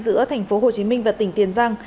giữa thành phố hồ chí minh và tỉnh tiền giang